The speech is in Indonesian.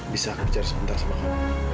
bisa kerja sebentar sama aku